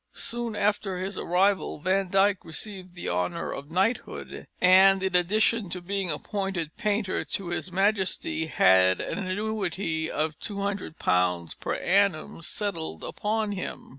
Soon after his arrival Van Dyck received the honour of knighthood, and, in addition to being appointed painter to his Majesty, had an annuity of £200 per annum settled upon him.